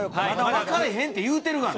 分からへんって言うとるがな。